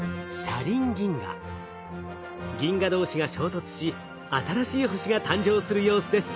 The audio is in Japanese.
銀河同士が衝突し新しい星が誕生する様子です。